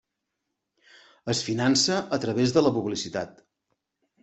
Es finança a través de la publicitat.